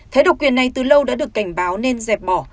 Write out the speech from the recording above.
thế độc quyền này từ lâu đã được cảnh báo nên dẹp bỏ